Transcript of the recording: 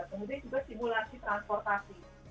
kemudian juga simulasi transportasi